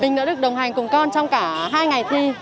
mình đã được đồng hành cùng con trong cả hai ngày thi